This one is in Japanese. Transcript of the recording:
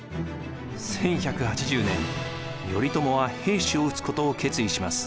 １１８０年頼朝は平氏を討つことを決意します。